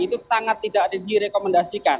itu sangat tidak direkomendasikan